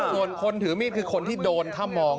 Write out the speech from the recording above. ใช่คนถือมีดคือคนที่โดนทำมอง